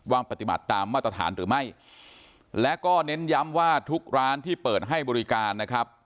ปฏิบัติตามมาตรฐานหรือไม่และก็เน้นย้ำว่าทุกร้านที่เปิดให้บริการนะครับ